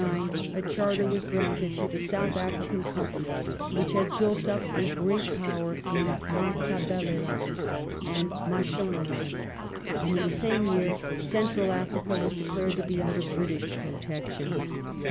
In 1889 a Charter was granted to the South African Company, which has built up a great power in Matabeleland and Mashonaland, and in the same year Central Africa was declared to be under British protection.